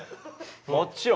もちろん！